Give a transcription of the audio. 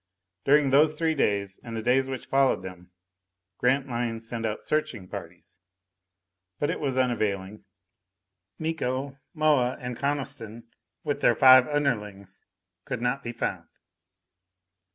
During those three days and the days which followed them Grantline sent out searching parties. But it was unavailing. Miko, Moa and Coniston, with their five underlings, could not be found.